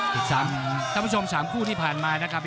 ท่านผู้ชม๓คู่ที่ผ่านมานะครับ